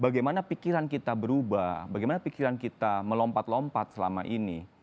bagaimana pikiran kita berubah bagaimana pikiran kita melompat lompat selama ini